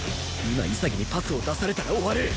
今潔にパスを出されたら終わる！